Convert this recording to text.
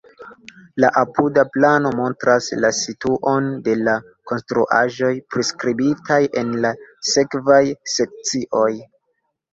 La apuda plano montras la situon de la konstruaĵoj priskribitaj en la sekvaj sekcioj.